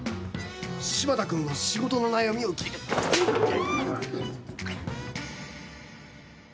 柴田君の仕事の悩みを聞いていて。